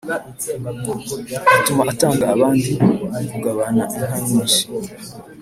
bituma atanga abandi kugabana inka nyinshi.